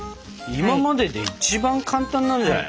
今までで一番簡単なんじゃない？